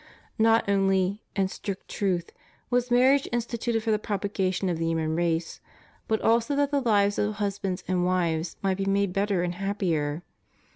Not only, in strict truth, was marriage instituted for the propagation of the human race, but also that the lives of husbands and wives might be made better and happier.